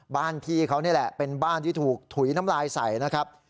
พี่เขานี่แหละเป็นบ้านที่ถูกถุยน้ำลายใส่นะครับ